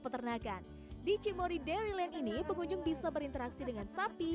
peternakan di cimory dairyland ini pengunjung bisa berinteraksi dengan sapi